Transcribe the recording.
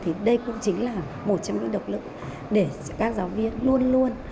thì đây cũng chính là một trong những động lực để các giáo viên luôn luôn